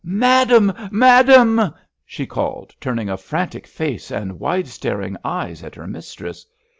"Madame! Madame!" she called, turning a frantic face and wide staring eyes at her mistress.